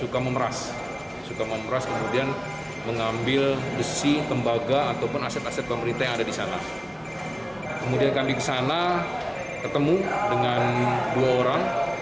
ketemu dengan dua orang